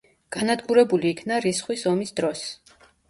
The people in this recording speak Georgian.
განადგურებული იქნა რისხვის ომის დროს.